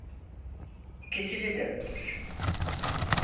İkisini de öldür!